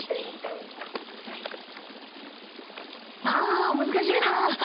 ああ難しいな。